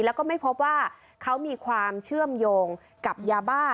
แล้วก็ไม่พบว่าเขามีความเชื่อมโยงกับยาบ้า